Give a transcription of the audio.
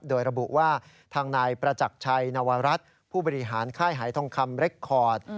โดยระบุว่าทางนายประจักรชัยนวรัฐผู้บริหารค่ายหายทองคำเรคคอร์ด